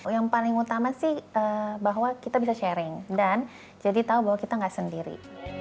yang paling utama sih bahwa kita bisa sharing dan jadi tahu bahwa kita nggak sendiri